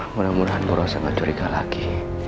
mudah mudahan bu rosa gak curiga lagi